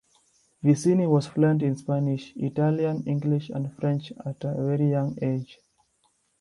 Vicini was fluent in Spanish, Italian, English and French at a very young age.